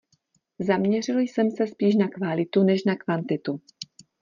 Zaměřil jsem se spíš na kvalitu než na kvantitu.